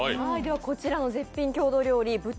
こちらの絶品郷土料理豚